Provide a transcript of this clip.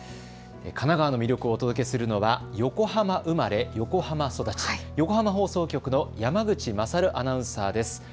神奈川の魅力をお届けするのは横浜生まれ、横浜育ち、横浜放送局の山口勝アナウンサーです。